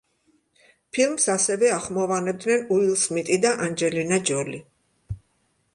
ფილმს ასევე ახმოვანებდნენ უილ სმიტი და ანჯელინა ჯოლი.